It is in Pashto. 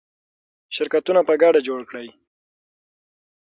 شرکتونه په ګډه جوړ کړئ.